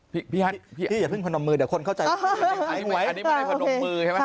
พี่ฮัทพี่อย่าเพิ่งพนมมือเดี๋ยวคนเข้าใจอันนี้ไว้อันนี้ไม่ได้พนมมือใช่ไหม